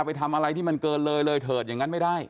ไปทำอะไรที่มันเกินเลยเลยเถิดอย่างนั้นไม่ได้